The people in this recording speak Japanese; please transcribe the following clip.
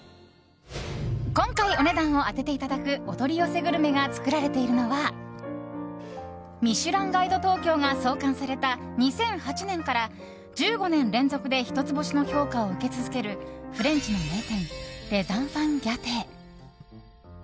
今回、お値段を当てていただくお取り寄せグルメが作られているのは「ミシュランガイド東京」が創刊された２００８年から１５年連続で一つ星の評価を受け続けるフレンチの名店レザンファンギャテ。